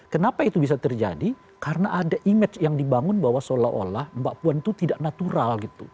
kenapa itu bisa terjadi karena ada image yang dibangun bahwa seolah olah mbak puan itu tidak natural gitu